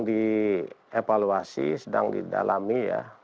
dievaluasi sedang didalami